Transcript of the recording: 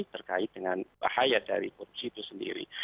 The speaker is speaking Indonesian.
terkait dengan bahaya dari korupsi itu sendiri